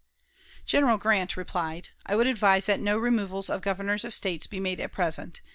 General Grant replied: "I would advise that no removals of Governors of States be made at present.